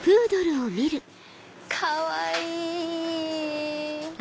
かわいい！